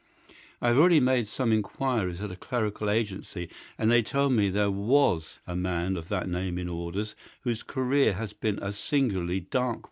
I have already made some inquiries at a clerical agency, and they tell me that there WAS a man of that name in orders whose career has been a singularly dark one.